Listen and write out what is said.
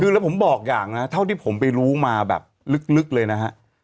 คือแล้วผมบอกอย่างนะเท่าที่ผมไปรู้มาแบบลึกเลยนะฮะ